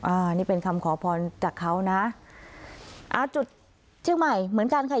อันนี้เป็นคำขอพรจากเขานะอ่าจุดเชียงใหม่เหมือนกันค่ะ